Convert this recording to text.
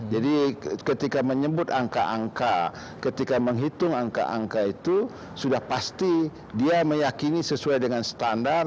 jadi ketika menyebut angka angka ketika menghitung angka angka itu sudah pasti dia meyakini sesuai dengan standar